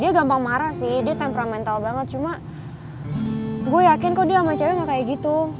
dia gampang marah sih dia temperamental banget cuma gue yakin kok dia sama cewek gak kayak gitu